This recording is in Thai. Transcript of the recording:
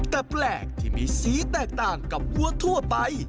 แต่แปลกที่มีสีแตกต่างกับวัวทั่วไป